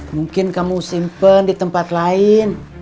mungkin kamu simpen di tempat lain